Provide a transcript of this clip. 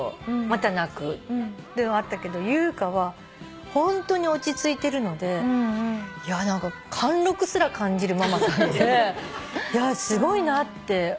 また泣くっていうのあったけど優香はホントに落ち着いてるので貫禄すら感じるママさんですごいなって。